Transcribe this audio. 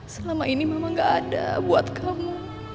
selama ini memang gak ada buat kamu